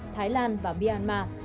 thái lan và myanmar